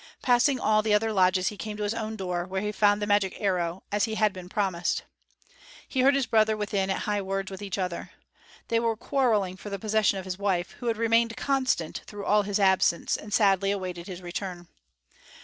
Passing all the other lodges he came to his own door, where he found the magic arrow, as he had been promised. He heard his brothers within at high words with each other. They were quarrelling for the possession of his wife, who had remained constant through all his absence, and sadly awaited his return.